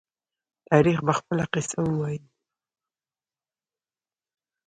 تاریخ به خپله قصه ووايي.